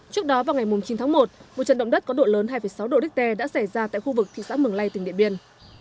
trước đó vào ngày chín tháng một một trận động đất có độ lớn hai sáu độ richter đã xảy ra tại khu vực thị xã mường lây tỉnh điện biên